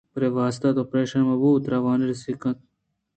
پرے واستہ تو پریشان مبو کہ ترا تاوانے رست کنت